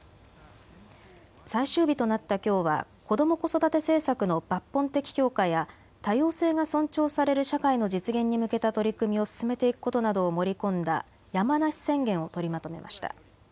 最終日となったきょうは子ども・子育て政策の抜本的強化や多様性が尊重される社会の実現に向けた取り組みを進めていくことなどを盛り込んだ山梨宣言を取りまとめました。